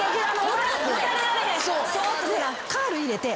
カール入れて。